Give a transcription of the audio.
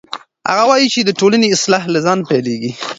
هغه وایي چې د ټولنې اصلاح له ځان څخه پیلیږي.